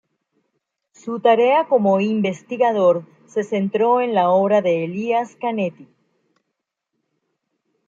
Su tarea como investigador se centró en la obra de Elias Canetti.